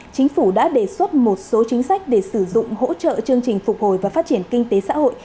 chính phủ đã đề xuất một số chính sách để sử dụng hỗ trợ chương trình phục hồi và phát triển kinh tế xã hội